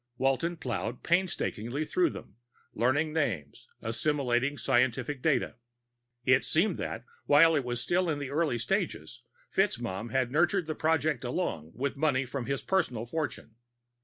Walton ploughed painstakingly through them, learning names, assimilating scientific data. It seemed that, while it was still in its early stages, FitzMaugham had nurtured the project along with money from his personal fortune.